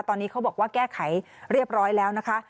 ตอนนี้เขาบอกว่าแก้ไขเรียบร้อยแล้วนะคะ